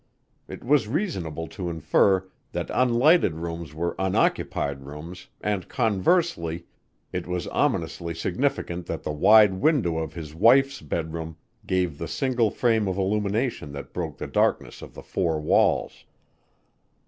It was reasonable to infer that unlighted rooms were unoccupied rooms and conversely, it was ominously significant that the wide window of his wife's bedroom gave the single frame of illumination that broke the darkness of the four walls.